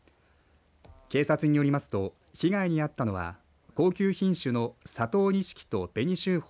警察によりますと被害に遭ったのは高級品種の佐藤錦と紅秀峰